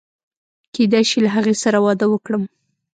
کېدای شي له هغې سره واده وکړم.